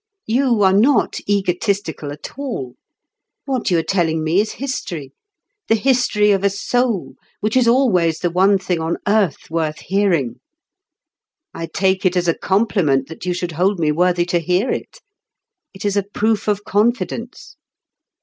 You, are not egotistical at all. What you are telling me is history—the history of a soul, which is always the one thing on earth worth hearing. I take it as a compliment that you should hold me worthy to hear it. It is a proof of confidence.